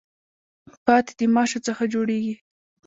پاتی د ماشو څخه جوړیږي.